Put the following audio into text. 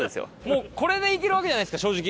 もうこれでいけるわけじゃないですか正直。